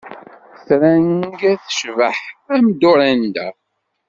Trang tecbeḥ am Dorenda.